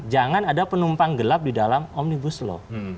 jangan ada penumpang gelap di dalam omnibus law